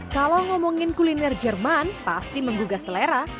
kalau ngomongin kuliner jerman pasti menggugah selera